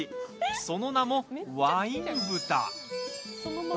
その名もワイン豚。